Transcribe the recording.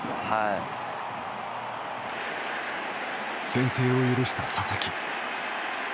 先制を許した佐々木。